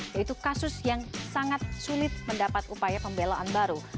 yaitu kasus yang sangat sulit mendapat upaya pembelaan baru